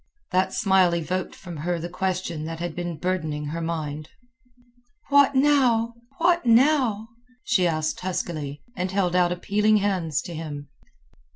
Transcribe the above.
That smile evoked from her the question that had been burdening her mind. "What now? What now?" she asked huskily, and held out appealing hands to him.